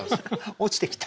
落ちてきた？